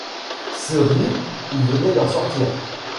Ce rire, il venait d’en sortir.